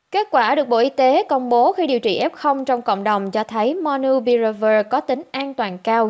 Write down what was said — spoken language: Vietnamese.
kết quả được bộ y tế công bố khi điều trị f trong cộng đồng cho thấy monu pirver có tính an toàn cao